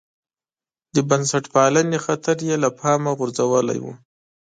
د بنسټپالنې خطر یې له پامه غورځولی و.